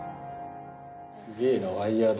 すげえなワイヤーで。